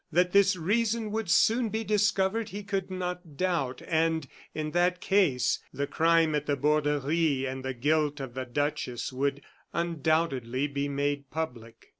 That this reason would soon be discovered, he could not doubt, and, in that case, the crime at the Borderie, and the guilt of the duchess, would undoubtedly be made public.